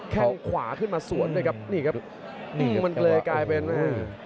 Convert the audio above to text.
แค่งขวาขึ้นมาสวนด้วยครับนี่ครับยิงมันเลยกลายเป็นอืม